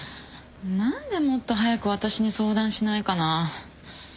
何でもっと早く私に相談しないかな。